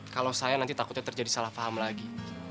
kalau saya nanti takutnya terjadi salah paham lagi